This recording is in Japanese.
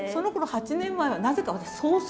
８年前はなぜか私総帥！？